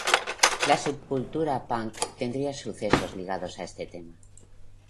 La subcultura punk tendría sucesos ligados a este tema.